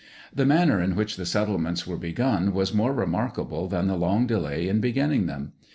The manner in which the settlements were begun was more remarkable than the long delay in beginning them.